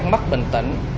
mất bình tĩnh